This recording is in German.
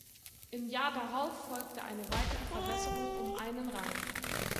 Im Jahr darauf folgte eine weitere Verbesserung um einen Rang.